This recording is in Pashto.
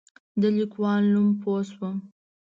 د لیکوال نوم پوه شوم.